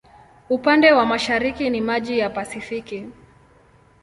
Upande wa mashariki ni maji ya Pasifiki.